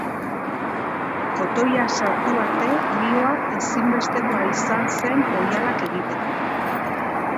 Kotoia sartu arte, lihoa ezinbestekoa izan zen oihalak egiteko.